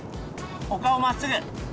お顔まっすぐ！